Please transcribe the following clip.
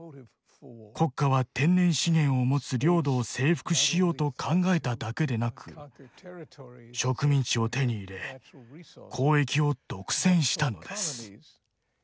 国家は天然資源を持つ領土を征服しようと考えただけでなく植民地を手に入れ交易を独占したのです。